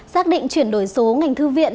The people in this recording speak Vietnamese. xác định chuyển đổi số ngành thư viện